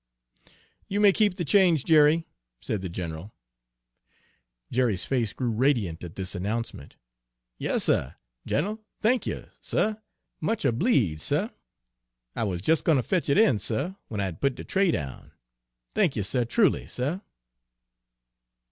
"You may keep the change, Jerry," said the general. Jerry's face grew radiant at this announcement. "Yas, suh, gin'l; thank y', suh; much obleedzed, suh. I wuz jus' gwine ter fetch it in, suh, w'en I had put de tray down. Thank y', suh, truly, suh!"